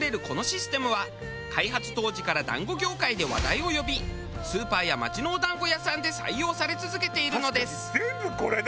このシステムは開発当時から団子業界で話題を呼びスーパーや町のお団子屋さんで採用され続けているのです。